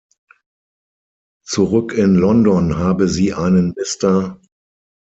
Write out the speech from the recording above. Zurück in London habe sie einen Mr.